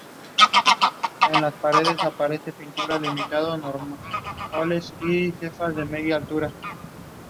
He graduated from the Starina Novak Elementary School in Belgrade.